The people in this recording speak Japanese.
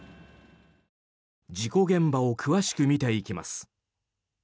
事故現場を詳しく見ていきます。